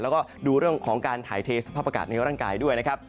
แล้วก็ดูเรื่องของการถ่ายเทสภาพอากาศในร่างกายด้วยนะครับ